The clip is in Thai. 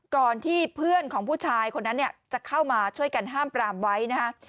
ก่อนที่เพื่อนของผู้ชายคนนั้นเนี่ยจะเข้ามาช่วยกันห้ามปรามไว้นะฮะ